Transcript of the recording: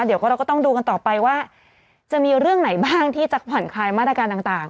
เดี๋ยวก็เราก็ต้องดูกันต่อไปว่าจะมีเรื่องไหนบ้างที่จะผ่อนคลายมาตรการต่าง